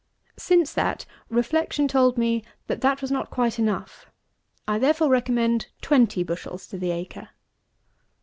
Since that, reflection told me that that was not quite enough. I therefore recommended twenty bushels to the acre.